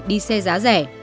đi xe giá rẻ